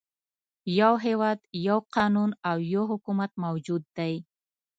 يو هېواد، یو قانون او یو حکومت موجود دی.